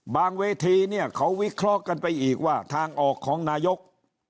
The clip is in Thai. เวทีเนี่ยเขาวิเคราะห์กันไปอีกว่าทางออกของนายก